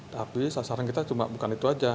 tapi sasaran kita cuma bukan itu aja